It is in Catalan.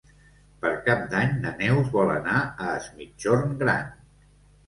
Per Cap d'Any na Neus vol anar a Es Migjorn Gran.